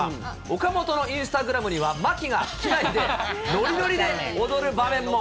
岡本のインスタグラムには、牧が機内でノリノリで踊る場面も。